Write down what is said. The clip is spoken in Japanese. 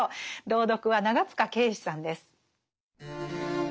朗読は長塚圭史さんです。